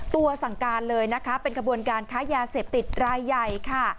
ตัวสั่งการเลยเป็นขบวนการค้ายาเสพติดรายใหญ่